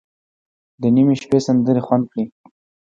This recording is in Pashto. د نیمې شپې سندرې خوند کړي.